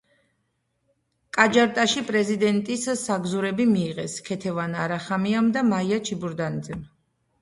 ჯაკარტაში პრეტენდენტის საგზურები მიიღეს ქეთევან არახამიამ და მაია ჩიბურდანიძემ.